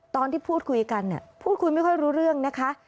ตอนที่พูดคุยกันพูดคุยไม่ค่อยรู้เรื่องนะคะ